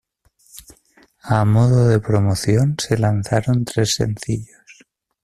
A modo de promoción se lanzaron tres sencillos.